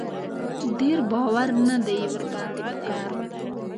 ډېر باور نه دی ور باندې په کار.